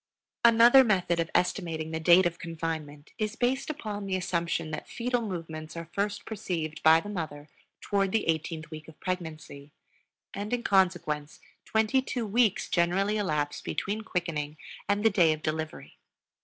Another method of estimating the date of confinement is based upon the assumption that fetal movements are first perceived by the mother toward the eighteenth week of pregnancy; and in consequence twenty two weeks generally elapse between quickening and the day of delivery.